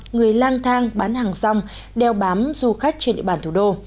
người lang thang bán hàng rong đeo bám du khách trên địa bàn thủ đô